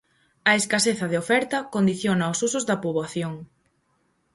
A escaseza de oferta condiciona os usos da poboación.